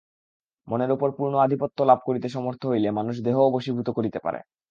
মনের উপর পূর্ণ আধিপত্য লাভ করিতে সমর্থ হইলে মানুষ দেহও বশীভূত করিতে পারে।